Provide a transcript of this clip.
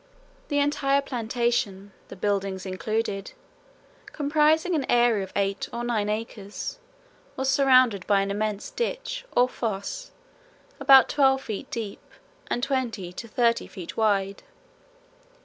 The entire plantation, the buildings included, comprising an area of eight or nine acres, was surrounded by an immense ditch or foss about twelve feet deep and twenty to thirty feet wide.